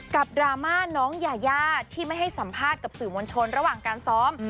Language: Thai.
ดราม่าน้องยายาที่ไม่ให้สัมภาษณ์กับสื่อมวลชนระหว่างการซ้อม